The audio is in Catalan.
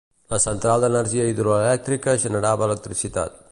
La central d'energia hidroelèctrica generava electricitat.